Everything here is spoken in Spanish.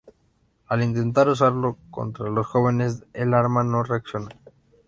Al intentar usarlo contra los jóvenes el arma no reacciona.